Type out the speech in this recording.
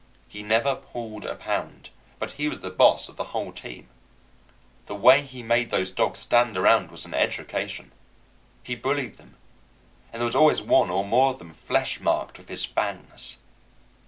He never pulled a pound, but he was the boss of the whole team. The way he made those dogs stand around was an education. He bullied them, and there was always one or more of them fresh marked with his fangs.